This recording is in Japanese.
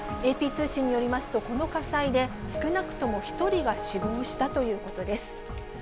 ＡＰ通信によりますと、この火災で少なくとも１人が死亡したということです。